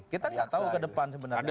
kita tidak tahu ke depan sebenarnya